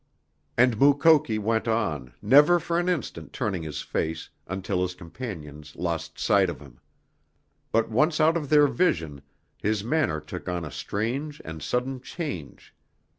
And Mukoki went on, never for an instant turning his face, until his companions lost sight of him. But once out of their vision his manner took on a strange and sudden change.